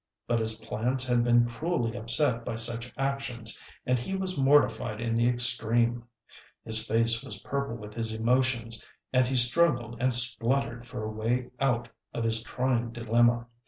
But his plans had been cruelly upset by such actions, and he was mortified in the extreme. His face was purple with his emotions, and he struggled and spluttered for a way out of his trying dilemma.